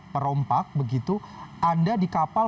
perompak anda di kapal